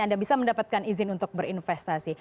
anda bisa mendapatkan izin untuk berinvestasi